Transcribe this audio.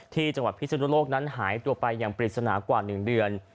ที่จังหวัดพิศนุโลกนั้นหายตัวไปอย่างปริศนากว่า๑เดือน